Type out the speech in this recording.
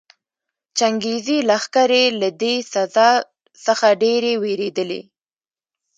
چنګېزي لښکرې له دې سزا څخه ډېرې ووېرېدلې.